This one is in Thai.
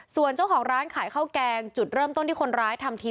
ส่วนเจ้าของร้านขายข้าวแกงจุดเริ่มต้นที่คนร้ายทำที